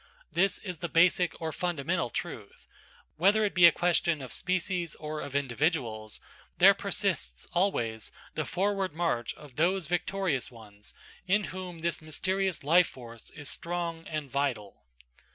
This is the basic or fundamental truth,–whether it be a question of species or of individuals, there persists always the forward march of those victorious ones in whom this mysterious life force is strong and vital.